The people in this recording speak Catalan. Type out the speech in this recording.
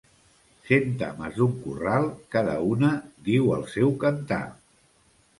Cent ames d'un corral, cada una diu el seu cantar.